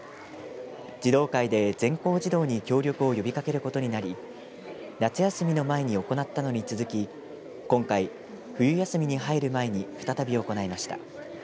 児童会で全校児童に協力を呼びかけることになり夏休みの前に行ったのに続き今回、冬休みに入る前に再び行いました。